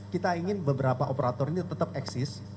kita ingin beberapa operator ini tetap eksis